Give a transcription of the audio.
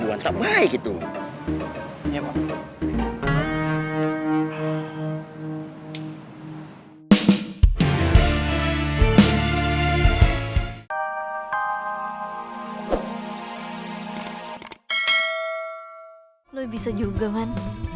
lo bisa juga man